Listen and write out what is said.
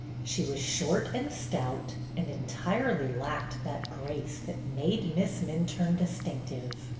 She was short and stout, and entirely lacked that grace that made Miss Minturne distinctive.